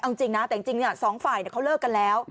เอาจริงนะแต่จริงจริงเนี่ยสองฝ่ายเนี่ยเขาเลิกกันแล้ว